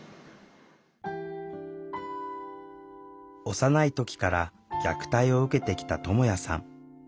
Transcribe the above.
幼い時から虐待を受けてきたともやさん。